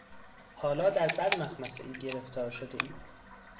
حالا در بد مخمصهای گرفتار شدهای!